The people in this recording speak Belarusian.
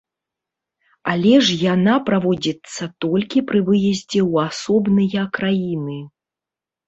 Але ж яна праводзіцца толькі пры выездзе ў асобныя краіны.